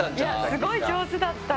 すごい上手だった。